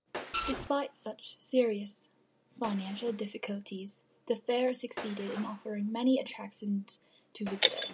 Despite such serious financial difficulties, the Fair succeeded in offering many attractions to visitors.